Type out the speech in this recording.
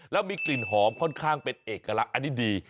แล้วมีกลิ่นหอมค่อนข้างเป็นเอกลักษณ์อันนี้ดี